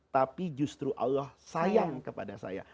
tapi justru allah sayang kepada saya